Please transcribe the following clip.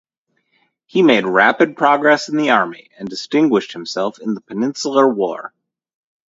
He made rapid progress in the Army and distinguished himself in the Peninsular War.